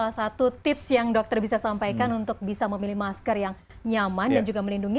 salah satu tips yang dokter bisa sampaikan untuk bisa memilih masker yang nyaman dan juga melindungi